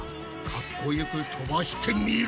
かっこよく飛ばしてみろや！